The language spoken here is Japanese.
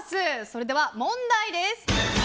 それでは問題です。